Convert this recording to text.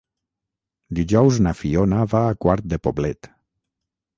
Dijous na Fiona va a Quart de Poblet.